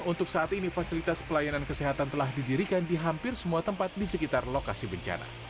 untuk saat ini fasilitas pelayanan kesehatan telah didirikan di hampir semua tempat di sekitar lokasi bencana